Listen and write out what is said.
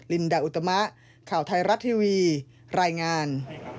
ลินดาอุตมะข่าวไทยรัฐทีวีรายงาน